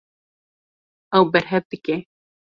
Ew berhev dike.